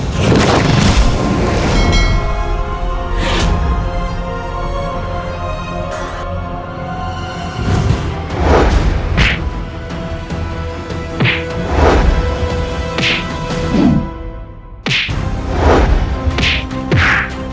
kau tidak bisa